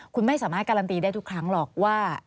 คุณไม่สามารถการันตีได้ทุกครั้งหรอกว่า